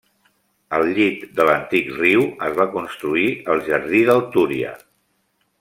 Al llit de l'antic riu es va construir el Jardí del Túria.